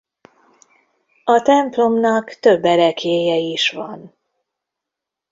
A templomnak több ereklyéje is van.